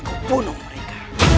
untuk tiada yang nervous